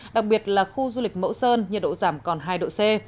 đặc biệt là khu du lịch mẫu sơn nhiệt độ giảm còn hai độ c